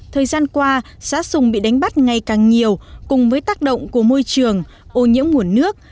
thời gian qua giá sùng bị đánh bắt ngày càng nhiều cùng với tác động của môi trường ô nhiễm nguồn nước